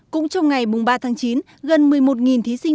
cũng trong ngày ba tháng chín gần một mươi một thí sinh